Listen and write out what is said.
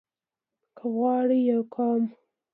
که غواړئ يو قوم